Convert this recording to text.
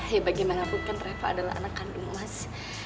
ya bagaimanapun reva adalah anak kandung mas